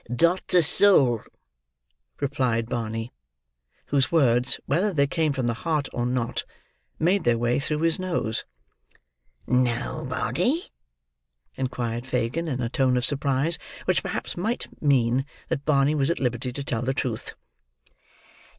"Dot a shoul," replied Barney; whose words: whether they came from the heart or not: made their way through the nose. "Nobody?" inquired Fagin, in a tone of surprise: which perhaps might mean that Barney was at liberty to tell the truth.